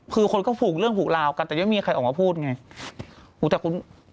คือคนก็ผูกเรื่องผูกราวกันแต่ไม่มีใครออกมาพูดไง